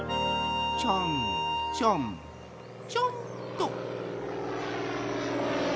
ちょんちょんちょんと。